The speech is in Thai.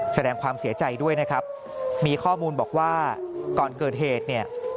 แสดงความเสียใจด้วยนะครับมีข้อมูลบอกว่าก่อนเกิดเหตุเนี่ย